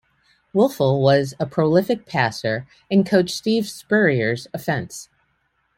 Wuerffel was a prolific passer in coach Steve Spurrier's offense.